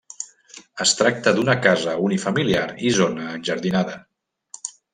Es tracta d'una casa unifamiliar i zona enjardinada.